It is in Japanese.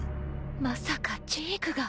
まさかジークが。